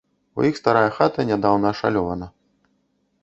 У іх старая хата нядаўна ашалёвана.